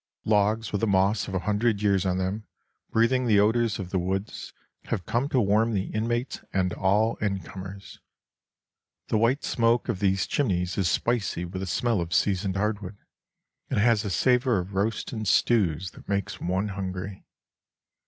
Logs with the moss of a hundred years on them, breathing the odors of the woods, have come to warm the inmates and all in comers. The white smoke of these chimneys is spicy with the smell of seasoned hard wood, and has a savor of roasts and stews that makes one hungry.